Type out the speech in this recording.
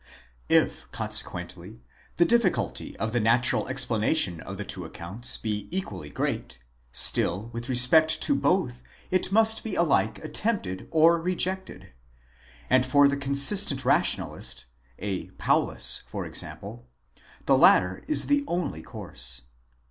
® If consequently, the difficulty of the natural explanation of the two accounts be equally great, still, with respect to both it must be alike attempted or rejected ; and for the consistent Rationalist, a Paulus for example, the latter is the only course.